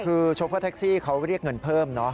คือโชเฟอร์แท็กซี่เขาเรียกเงินเพิ่มเนอะ